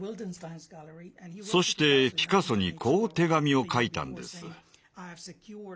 そしてピカソにこう手紙を書いたんです。